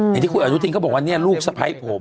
นี่ที่คุยกับนุธินก็บอกว่าลูกสะพ้ายผม